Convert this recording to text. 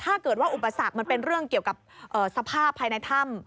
ถ้าเกิดว่าอุปสรรคมันเป็นเรื่องเกี่ยวกับสภาพภายในถ้ำ